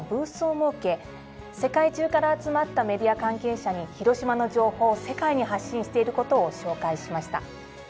世界中から集まったメディア関係者に広島の情報を世界に発信していることを紹介しました。